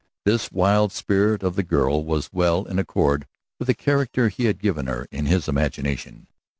This wild spirit of the girl was well in accord with the character he had given her in his imagination.